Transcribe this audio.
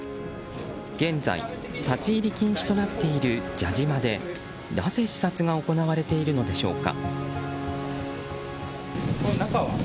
現在、立ち入り禁止となっている蛇島でなぜ視察が行われているのでしょうか。